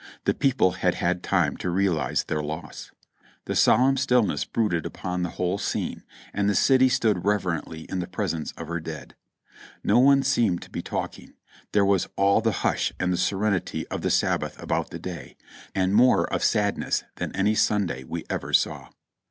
The people had had time to realize their loss. A solemn stillness brooded upon the whole scene, and the city stood rever ently in the presence of her dead. No one seemed to be talking; there was all the hush and the serenity of the Sabbath about the day, and more of sadness than any Sunday we ever saw.